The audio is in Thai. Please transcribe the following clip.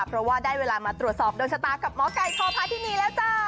เพราะว่าได้เวลามาตรวจสอบโดนชะตากับหมอไก่ชพาธินีแล้วจ้า